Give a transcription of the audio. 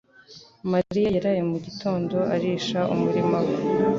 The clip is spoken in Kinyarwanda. mariya yaraye mugitondo arisha umurima we